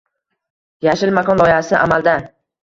“Yashil makon” loyihasi – amaldang